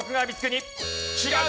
違う。